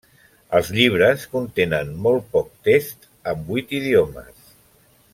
Els llibres contenen molt poc text, en vuit idiomes.